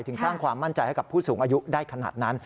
สร้างความมั่นใจให้กับผู้สูงอายุได้ขนาดนั้น